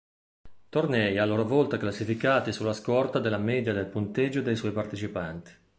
Tornei a loro volta classificati sulla scorta della media del punteggio dei suoi partecipanti.